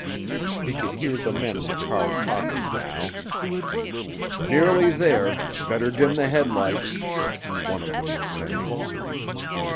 He could hear the men in the car talking now. "Nearly there—better dim the headlights," one of them was saying.